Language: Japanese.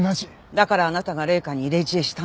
だからあなたが麗華に入れ知恵したんでしょ？